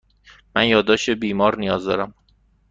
من یادداشت بیمار نیاز دارم.